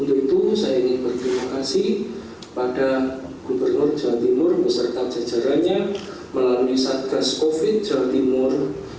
untuk itu saya ingin berterima kasih pada gubernur jawa timur beserta jajarannya melalui satgas covid jawa timur